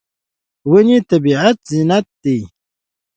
ونې د طبیعت زینت دي.